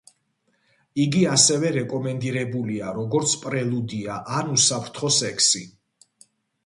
იგი ასევე რეკომენდირებულია როგორც პრელუდია ან უსაფრთხო სექსი.